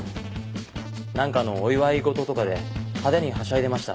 何かのお祝い事とかで派手にはしゃいでました。